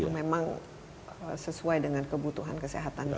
yang memang sesuai dengan kebutuhan kesehatan kita